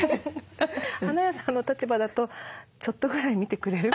花屋さんの立場だと「ちょっとぐらい見てくれる？